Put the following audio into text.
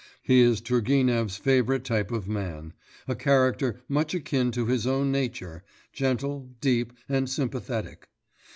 He is Turgenev's favourite type of man, a character much akin to his own nature, gentle, deep, and sympathetic.